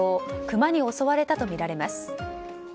クマに襲われたとみられます。